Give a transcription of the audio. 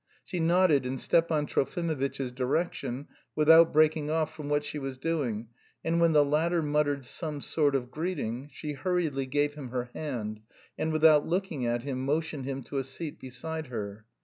She nodded in Stepan Trofimovitch's direction without breaking off from what she was doing, and when the latter muttered some sort of greeting, she hurriedly gave him her hand, and without looking at him motioned him to a seat beside her.